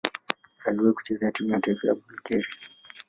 Aliwahi kucheza timu ya taifa ya Bulgaria.